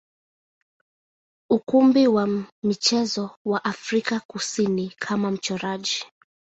ukumbi wa michezo wa Afrika Kusini kama mchoraji.